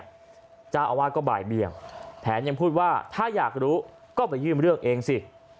ท่านจะอาวาสก็บริเวล์แทนยังพูดว่าถ้าอยากรู้ก็ไปยืมเรื่องเองสิ